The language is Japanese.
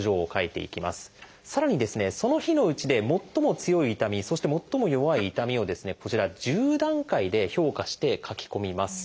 さらにその日のうちで「もっとも強い痛み」そして「もっとも弱い痛み」をこちら１０段階で評価して書き込みます。